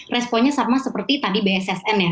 responnya sama seperti tadi bssn ya